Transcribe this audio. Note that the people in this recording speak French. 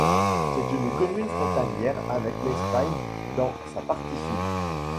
C'est une commune frontalière avec l'Espagne dans sa partie sud.